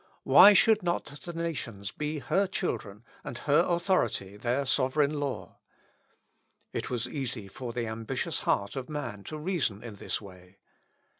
Why should not the nations be her children, and her authority their sovereign law? It was easy for the ambitious heart of man to reason in this way.